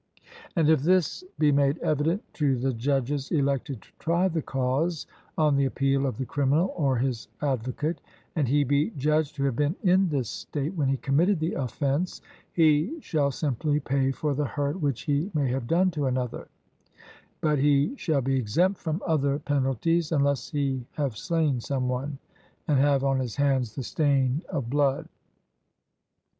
And if this be made evident to the judges elected to try the cause, on the appeal of the criminal or his advocate, and he be judged to have been in this state when he committed the offence, he shall simply pay for the hurt which he may have done to another; but he shall be exempt from other penalties, unless he have slain some one, and have on his hands the stain of blood.